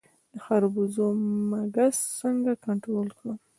د خربوزو مګس څنګه کنټرول کړم؟